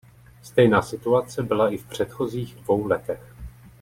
Stejná situace byla i v předchozích dvou letech.